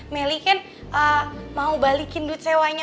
melly kan mau balikin duit sewanya